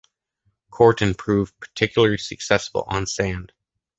Kuerten proved particularly successful on sand.